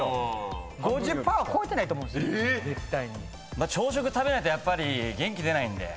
まあ朝食食べないとやっぱり元気出ないんで。